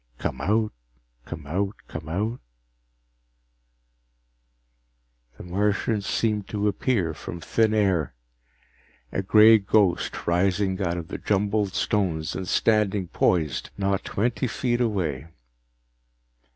_Come out, come out, come out _ The Martian seemed to appear from thin air, a gray ghost rising out of the jumbled stones and standing poised not twenty feet away.